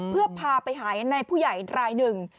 เพื่อพาไปหาในผู้ใหญ่รายหนึ่ง